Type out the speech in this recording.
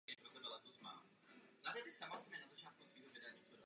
Dřevěná kostra trupu byla potažena překližkou a pohyblivé části ocasních ploch plátnem.